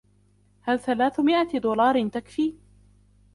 هل ثلاثمئة دولاد تكفي؟